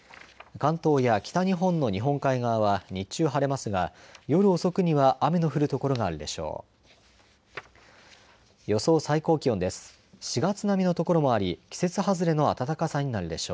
関東や北日本の日本海側は日中晴れますが夜遅くには雨の降る所があるでしょう。